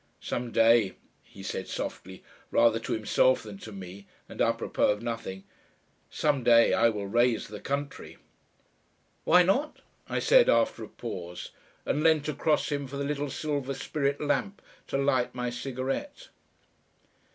"Some day," he said softly, rather to himself than to me, and A PROPOS of nothing "some day I will raise the country." "Why not?" I said, after a pause, and leant across him for the little silver spirit lamp, to light my cigarette....